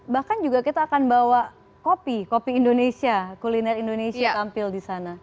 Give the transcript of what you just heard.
bahkan juga kita akan bawa kopi kopi indonesia kuliner indonesia tampil di sana